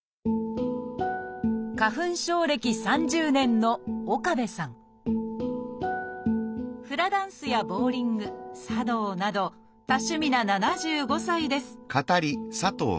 花粉症歴３０年のフラダンスやボウリング茶道など多趣味な７５歳です